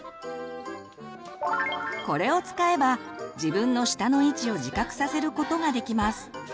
これを使えば自分の舌の位置を自覚させることができます。